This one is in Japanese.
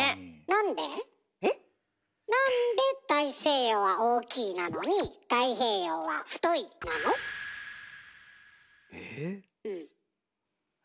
なんで大西洋は「大」なのに太平洋は「太」なの？え？え？